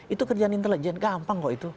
itu kerjaan intelijen gampang kok itu